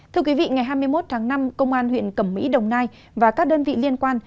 thưa quý vị ngày hai mươi một tháng năm công an huyện cẩm mỹ đồng nai và các đơn vị liên quan